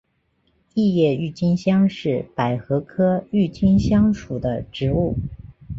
异叶郁金香是百合科郁金香属的植物。